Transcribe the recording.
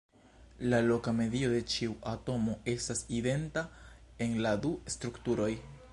La loka medio de ĉiu atomo estas identa en la du strukturoj.